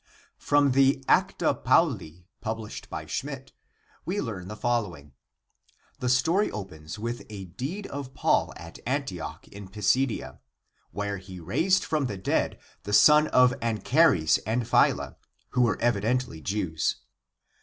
From the Acta Pauli published by Schmidt, we learn the following: The story opens with a deed of Paul at Antioch in Pisidia, where he raised from the dead the son of An chares and Phila, who were evidently Jews.